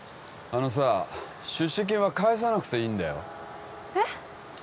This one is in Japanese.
あのさ出資金は返さなくていいんだよえっ？